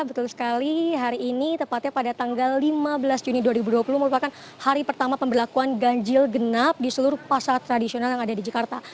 betul sekali hari ini tepatnya pada tanggal lima belas juni dua ribu dua puluh merupakan hari pertama pemberlakuan ganjil genap di seluruh pasar tradisional yang ada di jakarta